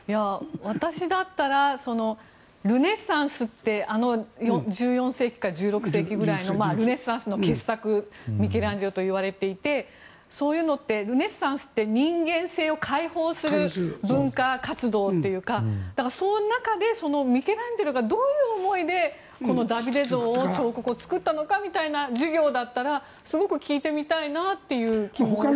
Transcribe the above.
私だったらルネサンスって１４世紀から１６世紀くらいのルネサンスの傑作ミケランジェロといわれていてそういうのってルネサンスって人間性を開放する文化活動というかだから、その中でミケランジェロがどういう思いでこのダビデ像を彫刻を作ったのかみたいな授業だったらすごく聞いてみたいなという気もするんですけど。